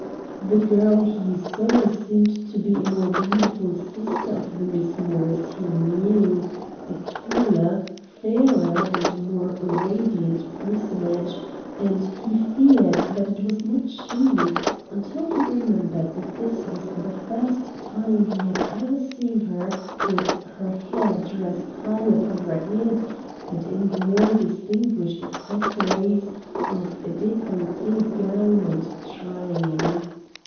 The girl he saw seemed to be a more beautiful sister of the Miss Morris he knew a taller, fairer, and more radiant personage; and he feared that it was not she, until he remembered that this was the first time he had ever seen her with her hair dressed high upon her head, and in the more distinguished accessories of a décolleté gown and train.